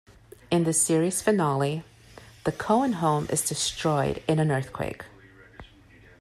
In the series finale, the Cohen home is destroyed in an earthquake.